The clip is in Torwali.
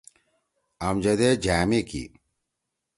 امجد ئے جھأمے کی۔